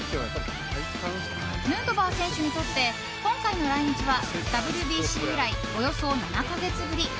ヌートバー選手にとって今回の来日はＷＢＣ以来、およそ７か月ぶり。